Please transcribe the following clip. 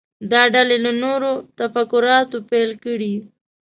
دا ډلې له نورو تفکراتو بیل کړي.